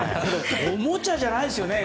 おもちゃじゃないですよね。